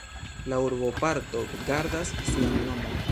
La urboparto gardas sian nomon.